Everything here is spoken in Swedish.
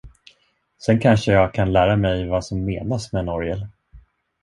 Sen kan jag kanske lära mig vad som menas med en orgel.